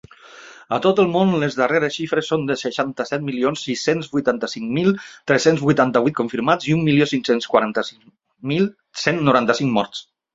A tot el món, les darreres xifres són de seixanta-set milions sis-cents vuitanta-cinc mil tres-cents vuitanta-vuit confirmats i un milió cinc-cents quaranta-sis mil cent noranta-cinc morts.